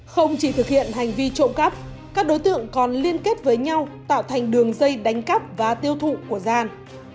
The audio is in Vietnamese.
không chỉ thực hiện hành vi trộm cắp các đối tượng còn liên kết với nhau tạo thành đường dây đánh cắp và tiêu thụ của gian